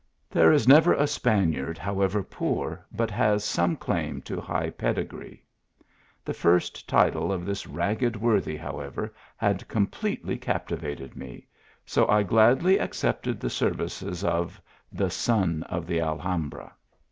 There is never a Spaniard, however poor, but has some claim to high pedigree. The first title of this ragged worthy, however, had completely captivated me, so I gladly accepted the services of the " son of the Alhambra."